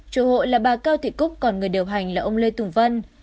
chủ hộ là bà cao thị cúc còn người điều hành là ông lê tùng vân